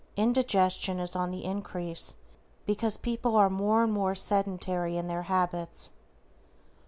Indigestion is on the increase because people are more and more sedentary in their habits.